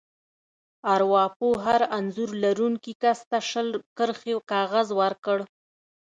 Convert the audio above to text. ارواپوه هر انځور لرونکي کس ته شل کرښې کاغذ ورکړ.